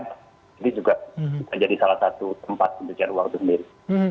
ini juga bisa jadi salah satu tempat untuk cari waktu sendiri